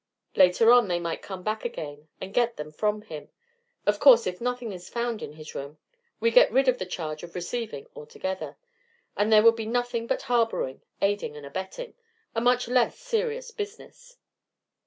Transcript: Later on they might come back again and get them from him. Of course, if nothing is found in his room, we get rid of the charge of receiving altogether, and there would be nothing but harboring, aiding, and abetting a much less serious business.